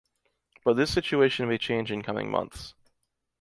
But this situation may change in coming months.